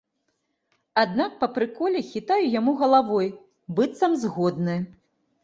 Аднак па прыколе хітаю яму галавой, быццам згодны.